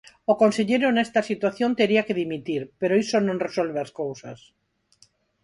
O conselleiro nesta situación tería que dimitir, pero iso non resolve as cousas.